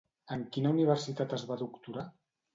En quina universitat es va doctorar?